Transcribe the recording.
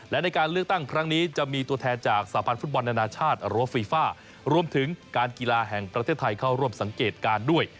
และในการเลือกตั้งครั้งนี้จะมีตัวแทนจากสาพันธ์ฟุตบอลนานาชาติหรือว่าฟีฟ่ารวมถึงการกีฬาแห่งประเทศไทยเข้าร่วมสังเกตการณ์ด้วย